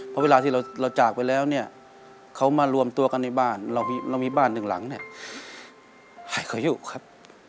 เพราะเวลาที่เราจากไปแล้วเนี่ยเขามารวมตัวกันในบ้านเรามีบ้านหนึ่งหลังเนี่ยหายเขาอยู่ครับ